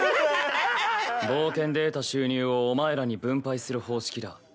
冒険で得た収入をお前らに分配する方式だ。